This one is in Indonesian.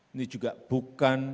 ini juga bukan